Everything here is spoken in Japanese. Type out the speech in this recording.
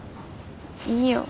いいよ。